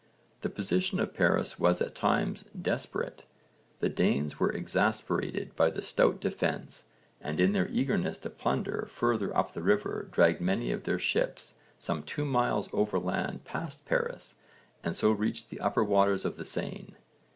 The position of Paris was at times desperate. The Danes were exasperated by the stout defence and in their eagerness to plunder further up the river dragged many of their ships some two miles overland past Paris, and so reached the upper waters of the Seine.